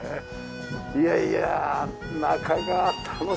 いやいや中が楽しみです。